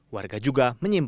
warga juga menyebabkan